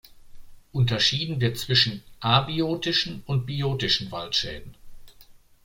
Unterschieden wird zwischen abiotischen und biotischen Waldschäden.